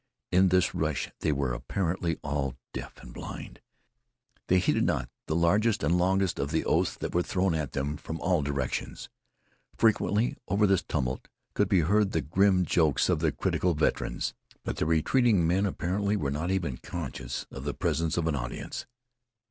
In this rush they were apparently all deaf and blind. They heeded not the largest and longest of the oaths that were thrown at them from all directions. Frequently over this tumult could be heard the grim jokes of the critical veterans; but the retreating men apparently were not even conscious of the presence of an audience.